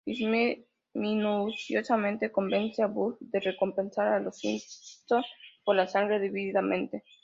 Smithers, minuciosamente, convence a Burns de recompensar a los Simpson por la sangre debidamente.